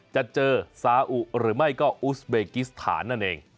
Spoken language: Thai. จะเจอซาอุหรือไม่ก็อุสเบกิสถานนั่นเอง